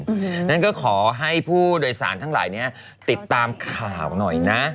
ด้วยก็ขอให้ผู้โดยศาลทั้งหลายนี้ติดตามข่าวหน่อยนะ